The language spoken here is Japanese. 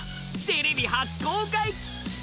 テレビ初公開！